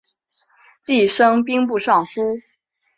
继升兵部尚书。